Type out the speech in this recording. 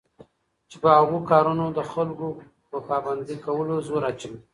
چې په هغو كارونو باندي دخلكوپه پابند كولو زور اچوي